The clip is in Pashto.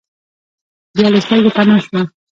بیا له سترګو پناه شوه.